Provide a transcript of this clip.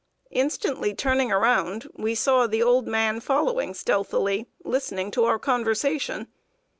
Instantly turning around, we saw the old man following stealthily, listening to our conversation.